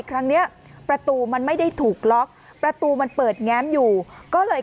ครั้งเนี้ยประตูมันไม่ได้ถูกล็อกประตูมันเปิดแง้มอยู่ก็เลย